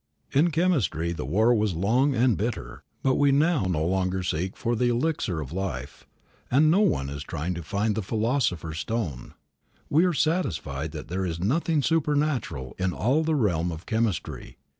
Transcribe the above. In chemistry the war was long and bitter; but we now no longer seek for the elixir of life, and no one is trying to find the philosopher's stone. We are satisfied that there is nothing supernatural in all the realm of chemistry.